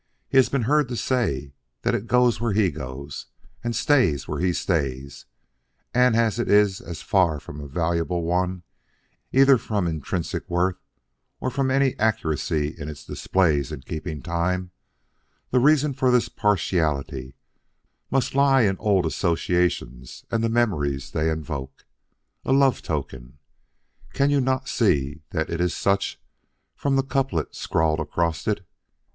He has been heard to say that it goes where he goes and stays where he stays, and as it is far from a valuable one either from intrinsic worth or from any accuracy it displays in keeping time, the reason for this partiality must lie in old associations and the memories they invoke. A love token. Can you not see that it is such from the couplet scrawled across it?